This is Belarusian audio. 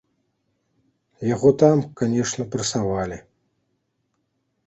Яго там, канечне, прэсавалі.